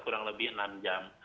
kurang lebih enam jam